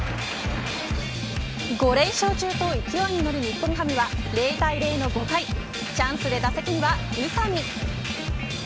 ５連勝中と勢いに乗る日本ハムは０対０の５回チャンスで打席には宇佐美。